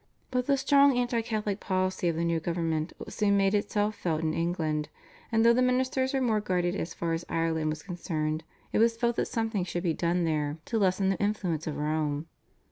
But the strong anti Catholic policy of the new government soon made itself felt in England, and though the ministers were more guarded as far as Ireland was concerned, it was felt that something should be done there to lessen the influence of Rome.